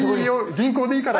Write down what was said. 銀行でいいから。